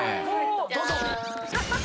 どうぞ！